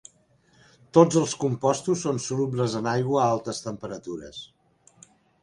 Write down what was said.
Tots els compostos són solubles en aigua a altes temperatures.